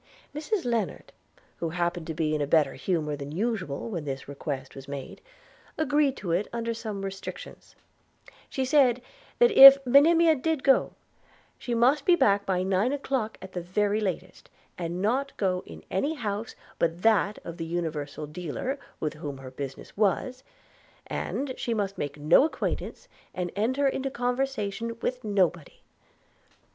Mrs Lennard, who happened to be in a better humour than usual when this request was made, agreed to it under some restrictions. She said, that if Monimia did go, she must be back by nine o'clock at the very latest, and not go into any house but that of the universal dealer with whom her business was; that she must make no acquaintance, and enter into conversation with nobody.